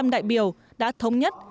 một trăm linh đại biểu đã thống nhất